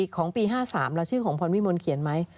ของปี๕๓แล้วชื่อของพรวิมลเขียนไหม